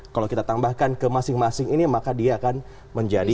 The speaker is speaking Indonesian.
kalau kita tambahkan ke masing masing ini maka dia akan menjadi